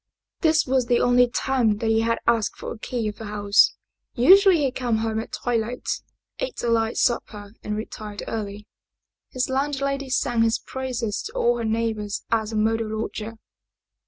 This was the only time that he had asked for the key of the house. Usually he came home at twilight, ate a light supper and retired early. His landlady sang his praises to all her neighbors as a model lodger.